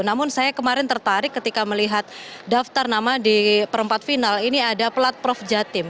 namun saya kemarin tertarik ketika melihat daftar nama di perempat final ini ada pelat prof jatim